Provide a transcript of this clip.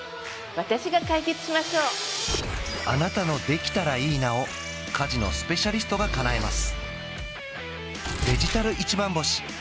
私が解決しましょうあなたの「できたらいいな」を家事のスペシャリストがかなえます